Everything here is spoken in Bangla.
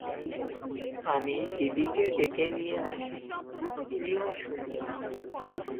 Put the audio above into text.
আমি দিদিকে ডেকে নিয়ে আসি, তিনিও শুনবেন!